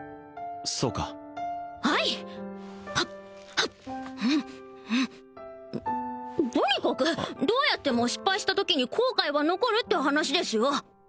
そうかはいとにかくどうやっても失敗したときに後悔は残るって話ですよ